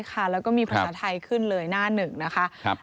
แล้วก็มีภาษาไทยขึ้นเลยหน้าหนึ่งนะคะ